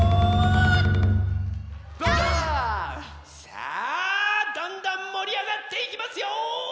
さあどんどんもりあがっていきますよ！